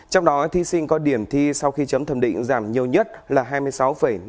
trong đó thí sinh có điểm thi sau khi chấm thẩm định giảm nhiều nhất là hai mươi sáu năm mươi năm điểm tổng ba môn